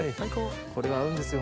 これが合うんですよ